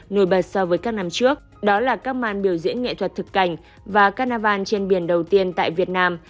nổi bật so với các năm trước đó là các màn biểu diễn nghệ thuật thực cảnh và carnival trên biển đầu tiên tại việt nam